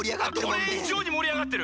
これいじょうにもりあがってる？